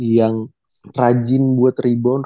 yang rajin buat rebound